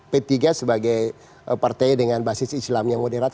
p tiga sebagai partai dengan basis islam yang moderat